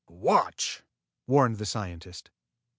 "Watch!" warned the scientist.